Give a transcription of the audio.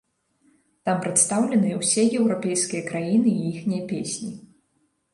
Там прадстаўленыя ўсе еўрапейскія краіны і іхнія песні.